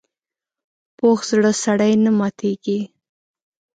پوخ زړه سړي نه ماتېږي